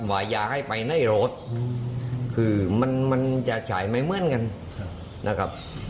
วายาให้ไปในรถคือมันมันจะฉายไม่เหมือนกันนะครับ